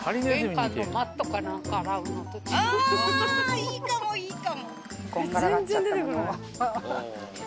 あぁいいかもいいかも！